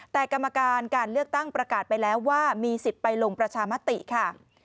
แต่กรรมการการเลือกตั้งประกาศไปแล้วว่ามีสิทธิ์ไปลงประชามติค่ะ